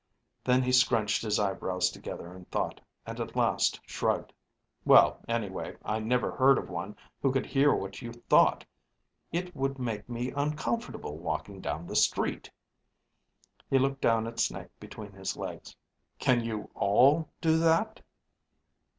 Then he scrunched his eyebrows together in thought, and at last shrugged. "Well anyway, I never heard of one who could hear what you thought. It would make me uncomfortable walking down the street." He looked down at Snake between his legs. "Can you all do that?"